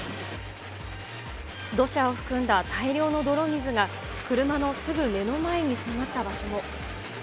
土砂を含んだ大量の泥水が、車のすぐ目の前に迫った場所も。